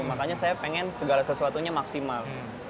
makanya saya pengen segala sesuatunya maksimal